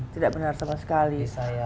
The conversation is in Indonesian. tidak benar sama sekali